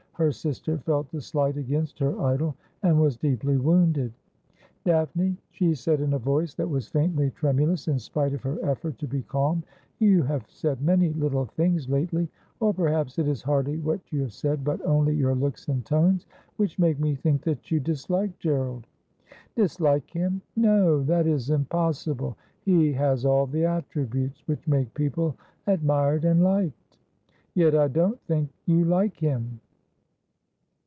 Her sister felt the slight against her idol, and was deeply wounded. ' Daphne,' she said in a voice that was faintly tremulous in spite of her effort to be calm, ' you have said many little things lately — or perhaps it is hardly what you have said, but only your looks and tones— which make me think that you dislike Gerald.' ' Dislike him ! No, that is impossible. He has all the attributes which make people admired and liked.' ' Yet I don't think you like him.'